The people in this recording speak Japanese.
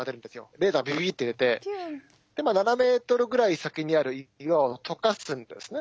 レーザービビビッて出て７ｍぐらい先にある岩を溶かすんですね。